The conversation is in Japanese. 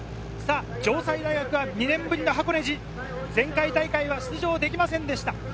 城西大学が２年ぶりの箱根路、前回大会は出場できませんでした。